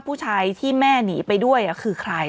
ผู้ชายที่แม่หนีไปด้วยคือใคร